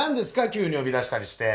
急によび出したりして。